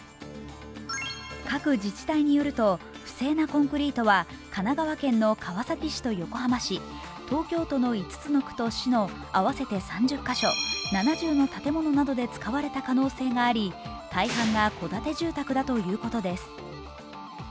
各自治体によると、不正なコンクリートは神奈川県の川崎市と横浜市、東京都の５つの区と市の合わせて３０カ所７０の建物などで使われた可能性があり大半が戸建て住宅だということです。